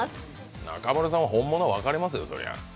中丸さんは本物分かりますよ、そりゃ。